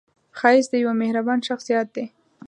ښایست د یوه مهربان شخص یاد دی